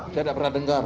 saya tidak pernah dengar